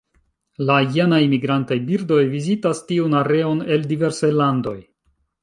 La jenaj migrantaj birdoj vizitas tiun areon el diversaj landoj.